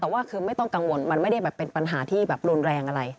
แต่ว่าคือไม่ต้องกังวลมันไม่ได้แบบเป็นปัญหาที่แบบรุนแรงอะไร